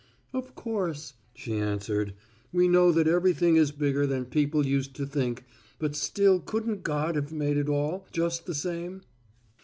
"Of course," she answered, "we know that everything is bigger than people used to think, but still couldn't God have made it all, just the same?"